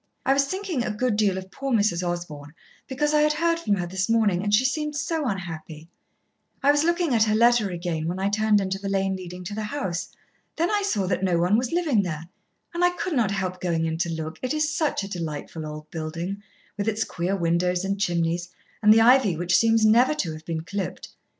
I was thinking a good deal of poor Mrs. Osborn because I had heard from her this morning, and she seemed so unhappy. I was looking at her letter again when I turned into the lane leading to the house. Then I saw that no one was living there, and I could not help going in to look it is such a delightful old building, with its queer windows and chimneys, and the ivy which seems never to have been clipped.